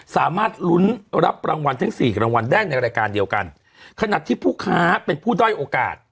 สามารถลุ้นรับรางวัลทั้งสี่รางวัลได้ในรายการเดียวกันขณะที่ผู้ค้าเป็นผู้ด้อยโอกาส